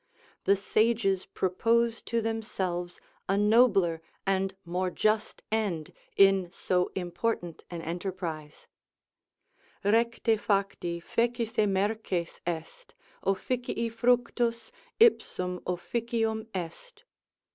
The sages propose to themselves a nobler and more just end in so important an enterprise: "Recte facti, fecisse merces est: officii fructus, ipsum officium est."